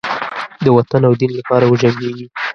د وطن او دین لپاره وجنګیږي.